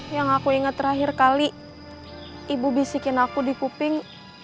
yang aku inget terakhir kali ibu bisikin aku di kuping